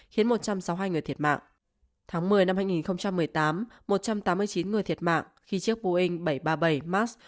khiến một trăm sáu mươi hai người thiệt mạng tháng một mươi năm hai nghìn một mươi tám một trăm tám mươi chín người thiệt mạng khi chiếc boeing bảy trăm ba mươi bảy max